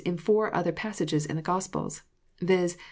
33 tn fonr other passages In the Gospels,— viz.